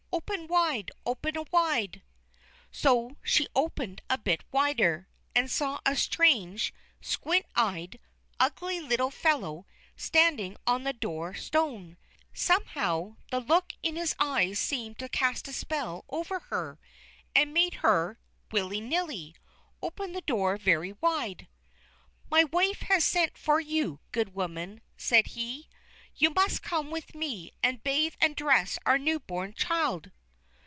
"Open wide! Open wide!" So she opened a bit wider, and saw a strange, squint eyed, ugly little fellow standing on the door stone. Somehow the look in his eyes seemed to cast a spell over her, and made her, willy nilly, open the door very wide. "My wife has sent for you, good woman," said he. "You must come with me and bathe and dress our new born child."